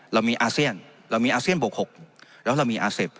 เรามีอาเซียนเรามีอาเซียนบวก๖แล้วเรามีอาเซฟ